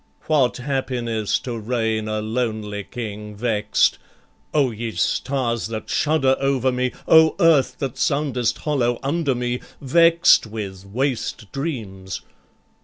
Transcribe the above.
What happiness to reign a lonely king, Vext O ye stars that shudder over me, O earth that soundest hollow under me, Vext with waste dreams?